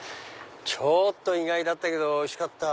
ちょっと意外だったけどおいしかった。